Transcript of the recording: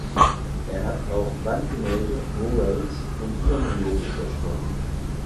Er hat auch Wandgemälde (murals) und Firmenlogos erstellt.